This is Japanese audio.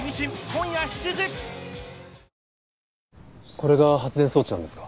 これが発電装置なんですか？